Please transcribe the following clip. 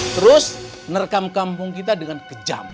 terus merekam kampung kita dengan kejam